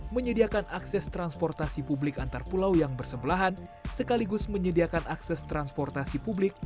menyediakan akses transportasi publik antar pulau yang bersebelahan sekaligus menyediakan akses transportasi publik